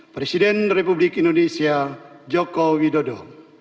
presiden republik indonesia joko widodo